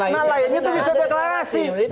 nah lainnya itu bisa deklarasi